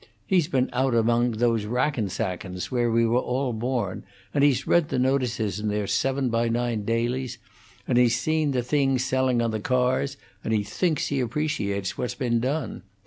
He's been out among those Rackensackens, where we were all born, and he's read the notices in their seven by nine dailies, and he's seen the thing selling on the cars, and he thinks he appreciates what's been done.